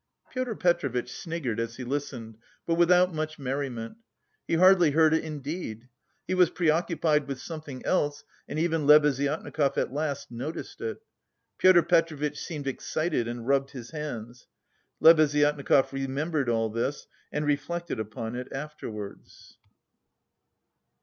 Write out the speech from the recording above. Pyotr Petrovitch sniggered as he listened, but without much merriment. He hardly heard it indeed. He was preoccupied with something else and even Lebeziatnikov at last noticed it. Pyotr Petrovitch seemed excited and rubbed his hands. Lebeziatnikov remembered all this and reflected upon it afterwards.